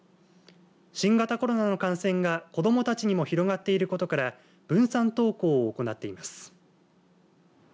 新型コロナの感染が子どもたちにも広がっていることから分散登校を行っています。